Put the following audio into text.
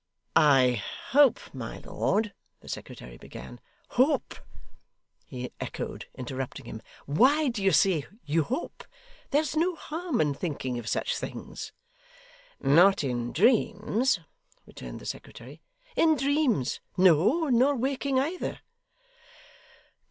'I hope my lord ' the secretary began. 'Hope!' he echoed, interrupting him. 'Why do you say, you hope? There's no harm in thinking of such things.' 'Not in dreams,' returned the Secretary. 'In dreams! No, nor waking either.